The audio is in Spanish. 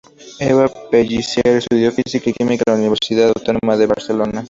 Eva Pellicer estudió Física y Química en la Universitat Autònoma de Barcelona.